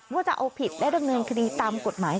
ว่าจะเอาผิดและดำเนินคดีตามกฎหมาย